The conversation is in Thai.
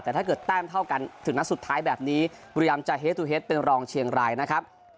แต่ถ้าเกิดแต้มเท่ากันถึงนัดสุดท้ายแบบนี้บุรีรำจะเฮสตูเฮดเป็นรองเชียงรายนะครับ